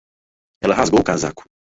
Ela rasgou o casaco.